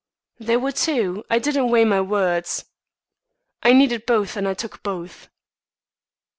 "There were two; I didn't weigh my words. I needed both and I took both."